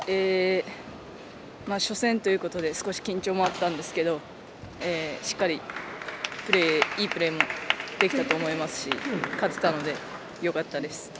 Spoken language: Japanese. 初戦ということで少し、緊張もあったんですがしっかり、いいプレーできたと思いますし勝てたので、よかったです。